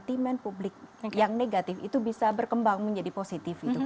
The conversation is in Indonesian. sentimen publik yang negatif itu bisa berkembang menjadi positif